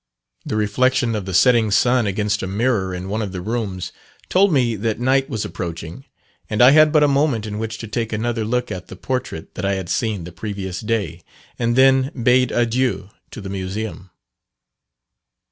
The reflection of the setting sun against a mirror in one of the rooms, told me that night was approaching, and I had but a moment in which to take another look at the portrait that I had seen the previous day, and then bade adieu to the Museum.